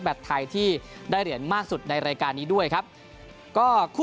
ไทยที่ได้เหรียญมากสุดในรายการนี้ด้วยครับก็คู่